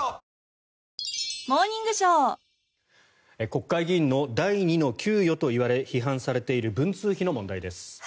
国会議員の第２の給与と言われ批判されている文通費の問題です。